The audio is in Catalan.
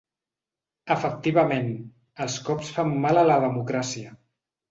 Efectivament, els cops fan mal a la democràcia.